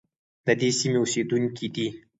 د دې سیمې اوسیدونکي دي.